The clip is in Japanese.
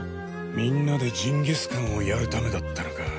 みんなでジンギスカンをやるためだったのか。